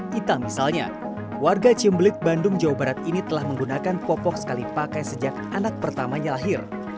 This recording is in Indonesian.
tita misalnya warga cimbelit bandung jawa barat ini telah menggunakan popok sekali pakai sejak anak pertamanya lahir